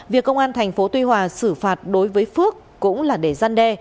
việc công an thành phố tuy hòa xử phạt đối với phước cũng là để gian đe